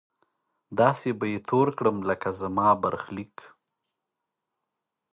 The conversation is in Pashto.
داسې به يې تور کړم لکه زما برخليک